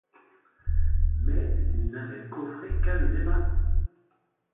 Mais il n’avait « coffré » qu’Azelma.